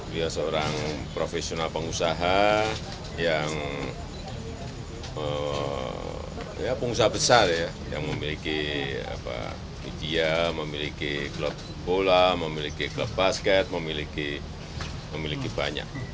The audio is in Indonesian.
dia seorang profesional pengusaha yang pengusaha besar ya yang memiliki vidya memiliki klub bola memiliki klub basket memiliki banyak